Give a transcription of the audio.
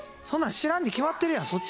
そんなん知らんに決まってるやん。